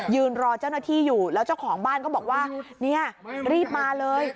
รอเจ้าหน้าที่อยู่แล้วเจ้าของบ้านก็บอกว่าเนี่ยรีบมาเลย